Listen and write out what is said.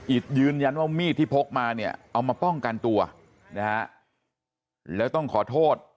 ยืนยันว่ามีดที่พกมาเนี่ยเอามาป้องกันตัวนะฮะแล้วต้องขอโทษ